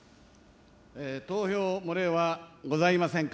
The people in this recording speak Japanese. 投票漏れはございませんか。